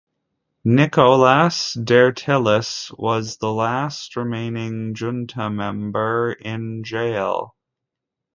Nikolaos Dertilis was the last remaining junta member in jail.